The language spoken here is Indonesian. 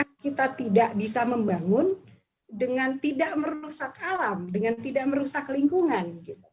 karena kita tidak bisa membangun dengan tidak merusak alam dengan tidak merusak lingkungan